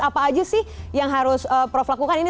apa aja sih yang harus prof lakukan ini